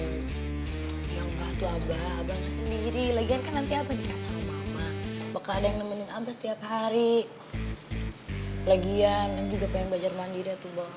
nanti setiap hari